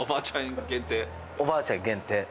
おばあちゃん限定？